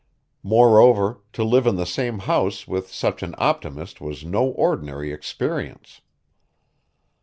Moreover to live in the same house with such an optimist was no ordinary experience.